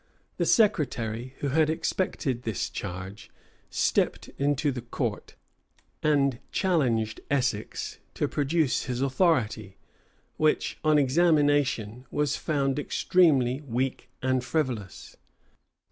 The secretary, who had expected this charge, stepped into the court, and challenged Essex to produce his authority, which, on examination, was found extremely weak and frivolous.